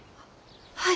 はい。